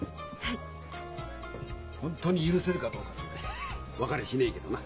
本当に許せるかどうかなんて分かりゃしねえけどな。